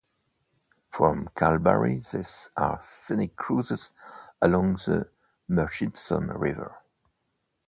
From Kalbarri there are scenic cruises along the Murchison River.